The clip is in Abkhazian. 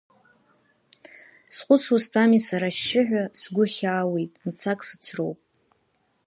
Схәыцуа стәами сара ашьшьыҳәа, сгәы хьаауеит, мцак сыцроуп.